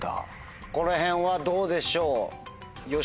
このへんはどうでしょう？